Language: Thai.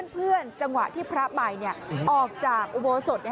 จังหวะที่พระใหม่ออกจากอุโบสถ